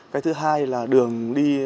cái thứ hai là đường đi